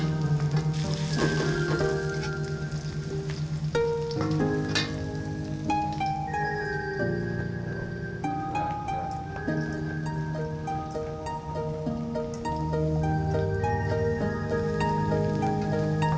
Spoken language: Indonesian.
tidak ada betul suci